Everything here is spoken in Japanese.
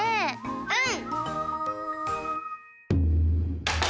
うん！